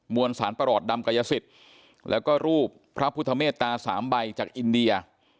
ลสารประหลอดดำกายสิทธิ์แล้วก็รูปพระพุทธเมตตา๓ใบจากอินเดีย